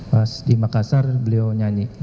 pas di makassar beliau nyanyi